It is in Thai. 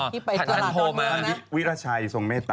ท่านโทรมา